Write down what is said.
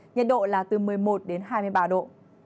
nhiệt độ là từ một mươi một đến hai mươi ba độ